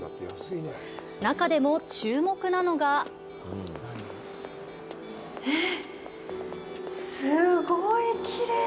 中でも注目なのがえっ、すごいきれい！